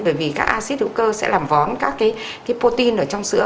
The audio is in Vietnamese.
bởi vì các acid hữu cơ sẽ làm vóm các cái protein ở trong sữa